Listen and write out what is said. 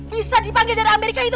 bisa dipanggil dari amerika ini